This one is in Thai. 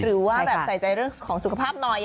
หรือว่าแบบใส่ใจเรื่องของสุขภาพหน่อย